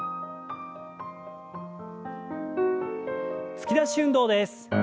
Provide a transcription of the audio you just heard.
突き出し運動です。